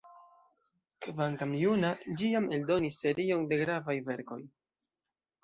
Kvankam juna, ĝi jam eldonis serion de gravaj verkoj.